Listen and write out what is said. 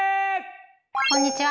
こんにちは。